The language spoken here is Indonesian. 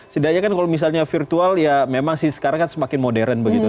setidaknya kan kalau misalnya virtual ya memang sih sekarang kan semakin modern begitu